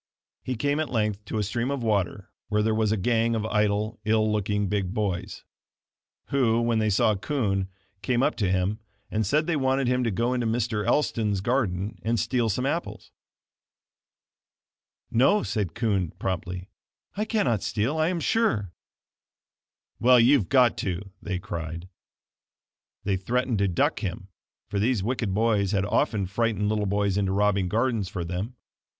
He came at length to a stream of water where there was a gang of idle, ill looking, big boys; who, when they saw Kund, came up to him; and said they wanted him to go into Mr. Elston's garden and steal some apples. "No," said Kund promptly; "I cannot steal, I am sure." "Well, but you've got to," they cried. [Illustration: THE CRIES OF THE DROWNING CHILD GREW FAINTER AND FAINTER] They threatened to duck him, for these wicked big boys had often frightened little boys into robbing gardens for them.